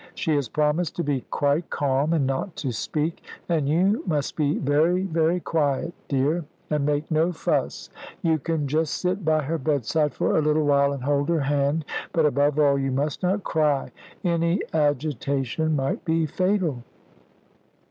She has promised to be quite calm, and not to speak and you must be very, very quiet, dear, and make no fuss. You can just sit by her bedside for a little while and hold her hand; but above all you must not cry any agitation might be fatal."